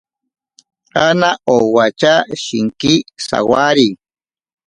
Ana owacha shinki sawari.